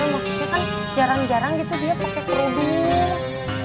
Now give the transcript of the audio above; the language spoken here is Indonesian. maksudnya kan jarang jarang gitu dia pakai crew